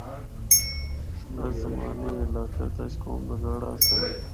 آس زمانے اے علاقہ دشت قوم دا گڑھ آسا۔